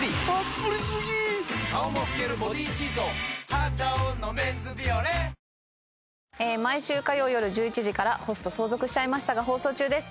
「肌男のメンズビオレ」毎週火曜夜１１時から『ホスト相続しちゃいました』が放送中です。